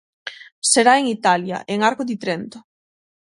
Será en Italia, en Arco di Trento.